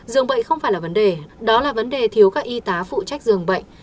dường bệnh không phải là vấn đề đó là vấn đề thiếu các y tá phụ trách dường bệnh